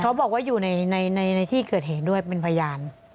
เขาบอกว่าอยู่ในที่เกิดเหตุด้วยเป็นพยาน